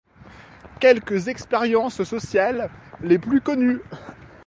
Quelques expériences sociales les plus connues.